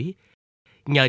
nhờ chị hồng bà